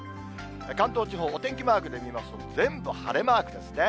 関東地方、お天気マークで見ますと、全部晴れマークですね。